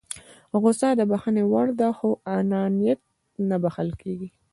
غوسه د بښنې وړ ده خو انانيت نه بښل کېږي.